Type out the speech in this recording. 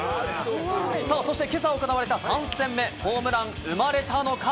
そして今朝行われた３戦目、ホームラン生まれたのか？